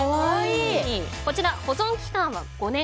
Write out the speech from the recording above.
こちら、保存期間は５年。